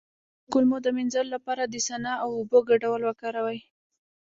د کولمو د مینځلو لپاره د سنا او اوبو ګډول وکاروئ